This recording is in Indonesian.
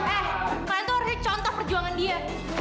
eh kalian tuh harusnya contoh perjuangan dia